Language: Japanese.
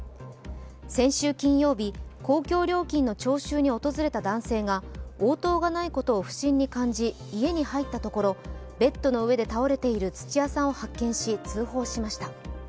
先週金曜日、公共料金の徴収に訪れた男性が応答がないことを不審に感じ、家に入ったところ、ベッドの上で倒れている土屋さんを発見し、通報しました。